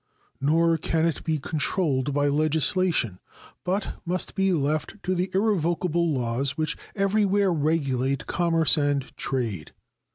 Nor can it be controlled by legislation, but must be left to the irrevocable laws which everywhere regulate commerce and trade.